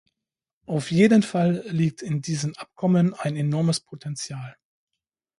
Auf jeden Fall liegt in diesen Abkommen ein enormes Potential.